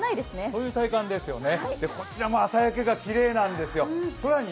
そういう体感ですね。